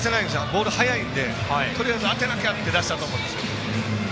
ボール速いのでとりあえず当てなきゃって出したと思うんですよ。